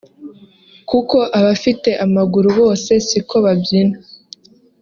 kuko abafite amaguru bose siko babyina